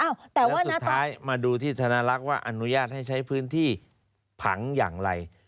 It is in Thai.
แล้วสุดท้ายมาดูที่ธนลักษณ์ว่าอนุญาตให้ใช้พื้นที่ผังอย่างไร